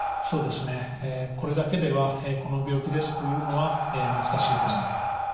そうですねこれだけではこの病気ですというのは難しいです。